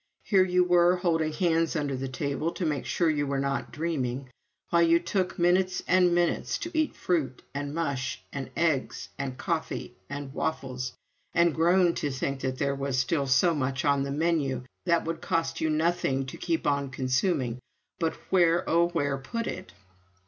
Here you were, holding hands under the table to make sure you were not dreaming, while you took minutes and minutes to eat fruit and mush and eggs and coffee and waffles, and groaned to think there was still so much on the menu that would cost you nothing to keep on consuming, but where, oh, where, put it?